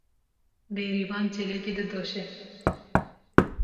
Bêrîvan çêlekê didoşe.